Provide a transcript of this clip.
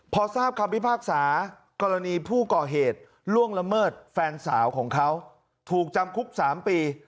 พอทราบคำพิพากษากรณีผู้ก่อเหตุล่วงละเมิดแฟนสาวของเขาถูกจำคุก๓ปี